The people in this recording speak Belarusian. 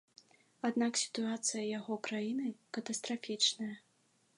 Аднак сітуацыя яго краіны катастрафічная.